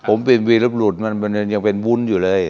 ชุดมันยังเป็นวุ้นอยู่เลย